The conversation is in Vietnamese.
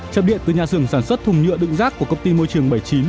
chập điện từ nhà xưởng sản xuất thùng nhựa đựng rác của công ty môi trường bảy mươi chín